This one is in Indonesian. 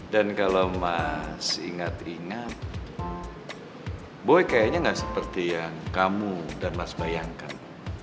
kalau mas ingat ingat boy kayaknya nggak seperti yang kamu dan mas bayangkan